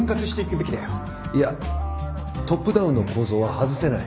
いやトップダウンの構造は外せない